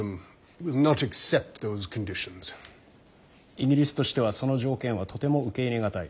「イギリスとしてはその条件はとても受け入れ難い」。